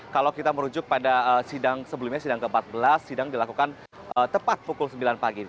kalau kita merujuk pada sidang sebelumnya sidang ke empat belas sidang dilakukan tepat pukul sembilan pagi